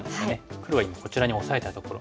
黒が今こちらにオサえたところ。